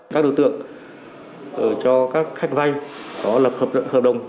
các đối tượng cho các khách vay có lập hợp đồng